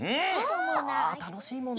あたのしいもんな。